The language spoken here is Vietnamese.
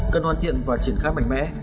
cần hoàn thiện và triển khai mạnh mẽ